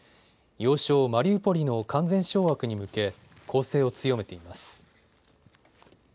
要衝マリウポリの完全掌握に向け攻勢を強めています。